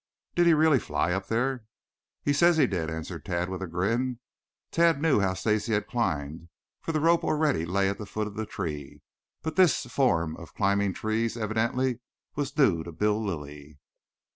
Did he really fly up there?" "He says he did," answered Tad with a grin. Tad knew how Stacy had climbed, for the rope already lay at the foot of the tree, but this form of climbing trees evidently was new to Bill Lilly.